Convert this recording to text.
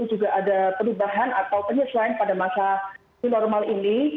juga ada perubahan atau penyesuaian pada masa new normal ini